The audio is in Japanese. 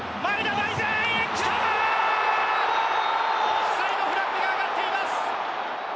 オフサイドフラッグが上がっています。